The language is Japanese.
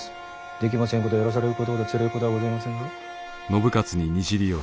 できもせんことをやらされることほどつれえことはございませんぞ。